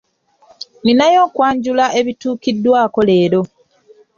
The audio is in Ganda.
Ninayo okwanjula ebituukiddwako leero.